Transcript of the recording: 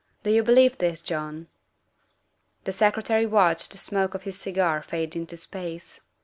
Do you believe this, John ?'' The Secretary watched the smoke of his cigar fade into space.